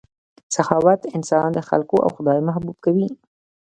سخاوت انسان د خلکو او خدای محبوب کوي.